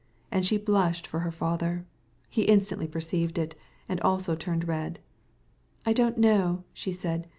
And she blushed for her father. He at once perceived it, and blushed too. "I don't know," she said.